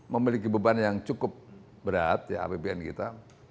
memiliki beban yang cukup berat ya apbn kita